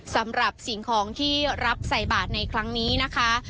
สำหรับสิ่งของที่รับใส่บาทในครั้งนี้นะคะ